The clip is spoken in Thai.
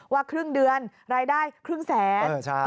ว่าครึ่งเดือนรายได้ครึ่งแสน